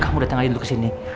kamu datang aja dulu ke sini